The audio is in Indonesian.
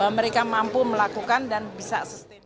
mereka mampu melakukan dan bisa sustain